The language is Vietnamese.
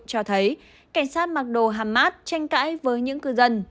cho thấy cảnh sát mặc đồ hàm mát tranh cãi với những cư dân